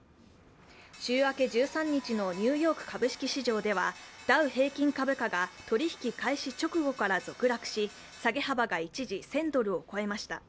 週明け１３日のニューヨーク株式市場ではダウ平均株価が取引開始直後から続落し下げ幅が一時１０００ドルを超えました。